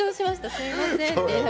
すいませんって。